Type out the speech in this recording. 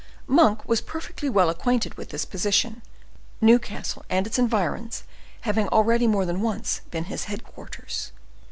Monk was perfectly well acquainted with this position, Newcastle and its environs having already more than once been his headquarters.